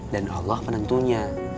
dan allah penentunya